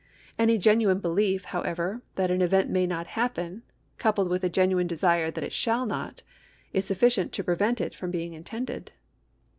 Any genuine belief, however, that an event may not hajipen, coupled with a genuine desire that it shall not, is sufficient to prevent it from being intended.